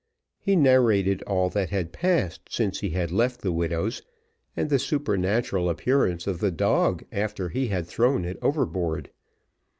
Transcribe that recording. He narrated all that had passed since he had left the widow's, and the supernatural appearance of the dog after he had thrown it overboard.